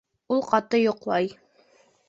Ул ҡаты йоҡлай